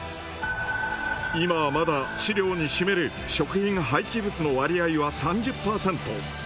今はまだ飼料に占める食品廃棄物の割合は３０％。